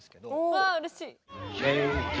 わあうれしい！